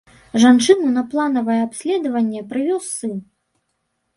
Жанчыну на планавае абследаванне прывёз сын.